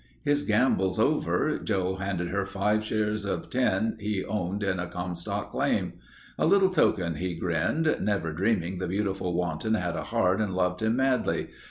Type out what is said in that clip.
His gambols over, Joe handed her five shares of ten he owned in a Comstock claim. 'A little token,' he grinned, never dreaming the beautiful wanton had a heart and loved him madly.